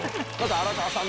⁉荒川さん